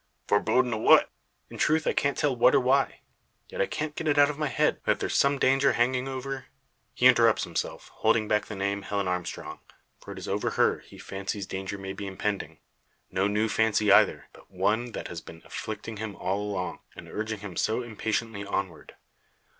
"Forebodin' o' what?" "In truth I can't tell what or why. Yet I can't get it out of my head that there's some danger hanging over " He interrupts himself, holding back the name Helen Armstrong. For it is over her he fancies danger may be impending. No new fancy either; but one that has been afflicting him all along, and urging him so impatiently onward.